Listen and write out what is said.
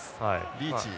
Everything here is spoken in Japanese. リーチ。